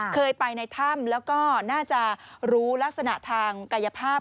เคยไปในถ้ำแล้วก็น่าจะรู้ลักษณะทางกายภาพ